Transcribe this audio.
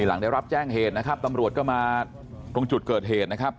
หลังได้รับแจ้งเหตุนะครับตำรวจก็มาตรงจุดเกิดเหตุนะครับ